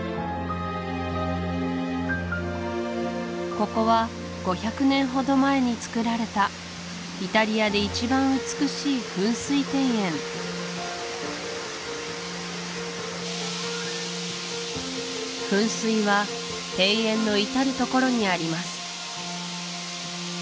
ここは５００年ほど前に造られたイタリアで一番美しい噴水庭園噴水は庭園の至る所にあります